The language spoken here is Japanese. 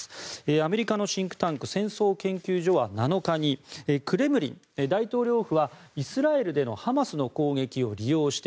アメリカのシンクタンク戦争研究所は７日にクレムリン、大統領府はイスラエルでのハマスの攻撃を利用して